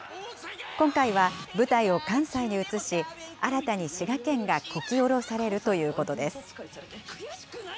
今回は舞台を関西に移し、新たに滋賀県がこき下ろされるということです。